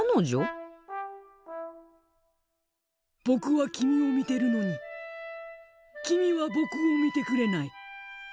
僕は君を見てるのに君は僕を見てくれない。